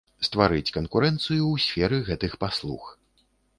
Стварыць канкурэнцыю ў сферы гэтых паслуг.